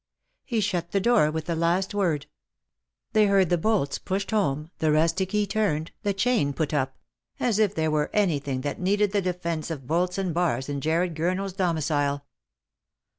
He shut the door with the last word. They heard the bolts pushed home, the rusty key turned, the chain put up — as if there were anything that needed the defence of bolts and bars in Jarred Gurner's domicile.